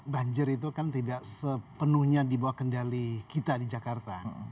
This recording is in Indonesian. banjir itu kan tidak sepenuhnya dibawa kendali kita di jakarta